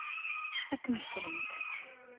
Ad kem-ṣṣrent.